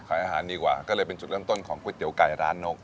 ขายอาหารดีกว่าก็เลยเป็นจุดเริ่มต้นของก๋วยเตี๋ยวไก่ร้านนก